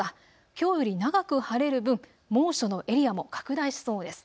きょうより長く晴れる分、猛暑のエリアも拡大しそうです。